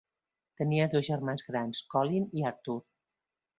Tenia dos germans grans, Colin i Arthur.